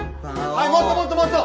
はいもっともっともっと。